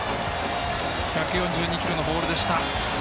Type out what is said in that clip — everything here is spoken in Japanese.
１４２キロのボールでした。